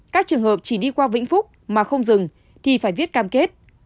các trường hợp chỉ đi qua vĩnh phúc mà không dừng thì phải viết cam kết